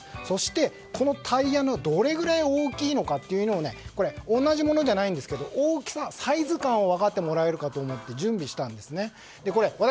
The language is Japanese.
そして、このタイヤがどれぐらい大きいのかというのを同じものじゃないんですけど大きさ、サイズ感を分かってもらえるかと思って準備したんですね。